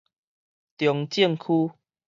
中正區